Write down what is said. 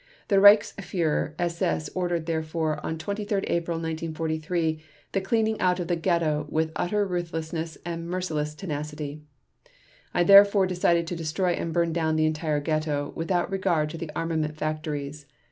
The Reichsführer SS ordered therefore on 23 April 1943 the cleaning out of the ghetto with utter ruthlessness and merciless tenacity. I therefore decided to destroy and burn down the entire ghetto, without regard to the armament factories.